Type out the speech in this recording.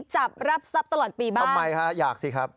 จับรับทรัพย์ตลอดปีบ้างทำไมฮะอยากสิครับ